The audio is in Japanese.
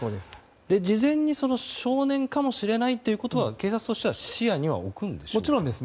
事前に少年かもしれないということは警察としては視野には置くんですか？